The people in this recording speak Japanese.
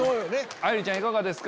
愛梨ちゃんいかがですか？